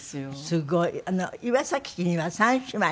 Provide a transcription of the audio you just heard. すごい！岩崎家には３姉妹。